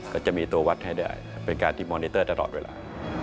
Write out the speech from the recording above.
ก็จะมีตัววัดให้ได้เป็นการติดมอนิเตอร์ตลอดเวลา